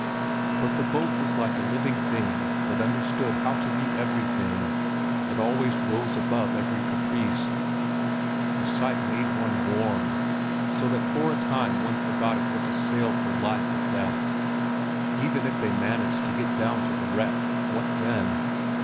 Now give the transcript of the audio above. But the boat was like a living thing that understood how to meet everything; it always rose above every caprice. The sight made one warm, so that for a time one forgot it was a sail for life or death. Even if they managed to get down to the wreck, what then?